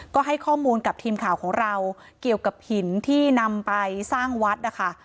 ก็ให้ข้อมูลกับทีมข่าวของเราเกี่ยวกับหินที่นำไปสร้างวัดนะคะ